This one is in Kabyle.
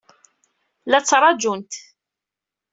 La ttṛajunt.